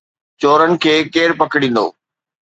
چورن کي ڪير پڪڙيندو؟